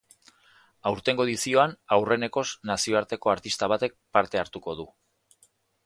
Aurtengo edizioan, aurrenekoz nazioarteko artista batek parte hartuko du.